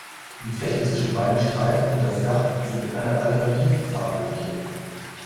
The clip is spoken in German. Die Fläche zwischen beiden Streifen und das Dach sind in einer Alternativ-Farbe lackiert.